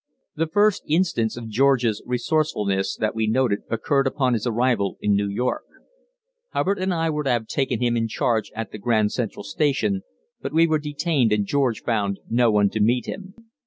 The first instance of George's resourcefulness that we noted occurred upon his arrival in New York. Hubbard and I were to have taken him in charge at the Grand Central Station, but we were detained and George found no one to meet him.